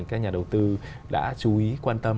các nhà đầu tư đã chú ý quan tâm